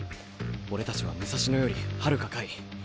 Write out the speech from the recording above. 俺たちは武蔵野よりはるか下位。